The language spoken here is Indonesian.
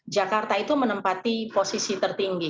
jakarta itu menempati posisi tertinggi